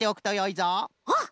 あっ！